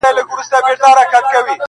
چي نور ساده راته هر څه ووايه.